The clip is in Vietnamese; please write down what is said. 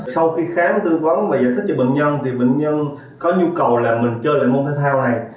sau khi khám tư vấn và giải thích cho bệnh nhân thì bệnh nhân có nhu cầu là mình chơi lại môn thể thao này